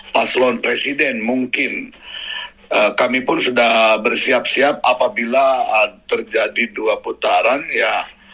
paslon presiden mungkin kami pun sudah bersiap siap apabila terjadi dua putaran ya